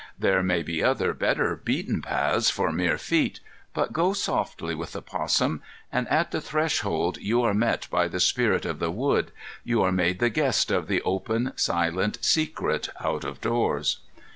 There may be other, better beaten paths for mere feet. But go softly with the 'possum, and at the threshold you are met by the spirit of the wood, you are made the guest of the open, silent, secret out of doors.